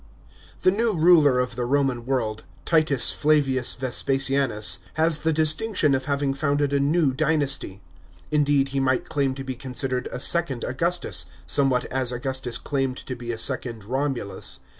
§ 1. THE new ruler of the Roman world, Titus Flavius Ves pasianus, has the distinction of having founded a new dynasty. Indeed he might claim to be considered a second Augustus, some what as Augustus claimed to be a second Romulus.